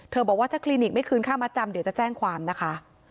บอกว่าถ้าคลินิกไม่คืนค่ามัดจำเดี๋ยวจะแจ้งความนะคะ